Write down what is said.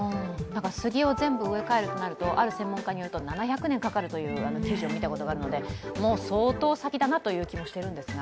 スギを全部植え替えるとなると、ある専門家がいうには７００年かかるという記事を見たことがあるので相当先だなという気もしているんですが。